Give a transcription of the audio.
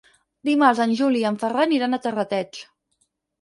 Dimarts en Juli i en Ferran iran a Terrateig.